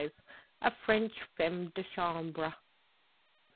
A FRENCH FEMME DE CHAMBRE.